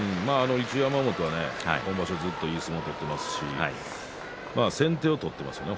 一山本は今場所ずっといい相撲を取っていますし先手を取っていますね